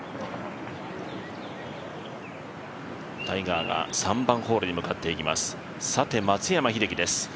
タイガーが３番ホールへ向かっていきます。